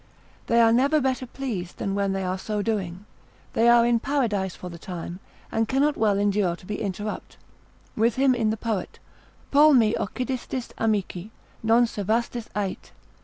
They are never better pleased than when they are so doing, they are in paradise for the time, and cannot well endure to be interrupt; with him in the poet, pol me occidistis amici, non servastis ait?